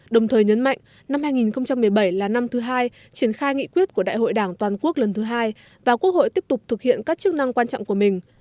đồng thời nhấn mạnh năm hai nghìn một mươi bảy là năm thứ hai triển khai nghị quyết của đại hội đảng toàn quốc lần thứ hai và quốc hội tiếp tục thực hiện các chức năng quan trọng của mình